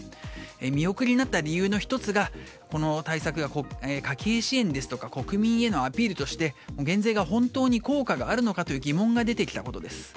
見送りになった理由の１つがこの対策が家計支援ですとか国民へのアピールとして減税が本当に効果があるのかと疑問が出てきたことです。